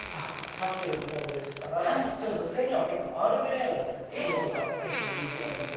シャッフルのほうでしたら女性にはアールグレイの生地とか結構人気なので。